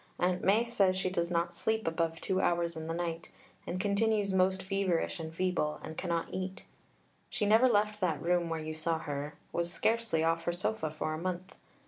Aunt Mai says she does not sleep above two hours in the night, and continues most feverish and feeble, and cannot eat. She never left that room where you saw her, was scarcely off her sofa for a month.